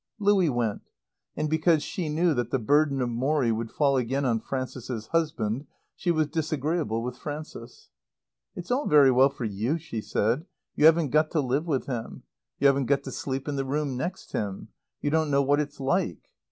Louie went. And because she knew that the burden of Morrie would fall again on Frances's husband she was disagreeable with Frances. "It's all very well for you," she said. "You haven't got to live with him. You haven't got to sleep in the room next him. You don't know what it's like."